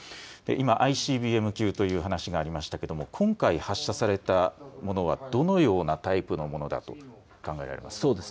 今、ＩＣＢＭ級という話がありましたけれども今回発射されたものはどのようなタイプのものだと考えられますか。